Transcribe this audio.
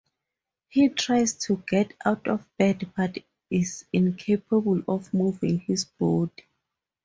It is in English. He tries to get out of bed but is incapable of moving his body.